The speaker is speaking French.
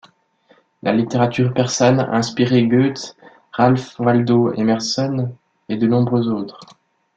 La littérature persane a inspiré Goethe, Ralph Waldo Emerson et de nombreux autres.